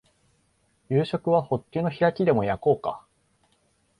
夕食はホッケの開きでも焼こうか